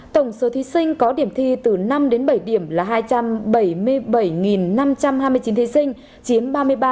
tổng số thí sinh có điểm thi từ năm đến bảy điểm là hai trăm bảy mươi bảy năm trăm hai mươi chín thí sinh chiếm ba mươi ba